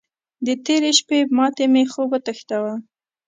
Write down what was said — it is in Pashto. د تېرې شپې ماتې مې خوب وتښتاوو.